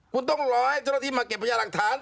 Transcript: คุณต้องรอให้เจ้าหน้าที่มาเก็บพยาหลักฐาน